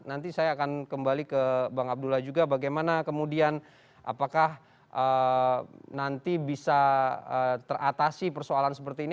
nanti saya akan kembali ke bang abdullah juga bagaimana kemudian apakah nanti bisa teratasi persoalan seperti ini